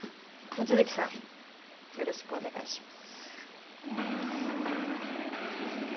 望月さんよろしくお願いします。